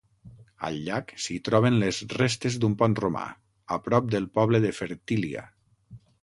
Al llac, s'hi troben les restes d'un pont romà, a prop del poble de Fertília.